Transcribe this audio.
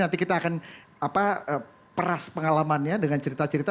nanti kita akan peras pengalamannya dengan cerita cerita